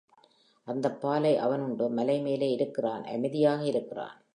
அந்தப் பாலை அவன் உண்டு மலை மேலே இருக்கிறான் அமைதியாக இருக்கிறான்.